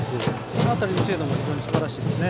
この辺りの精度も非常にすばらしいですね。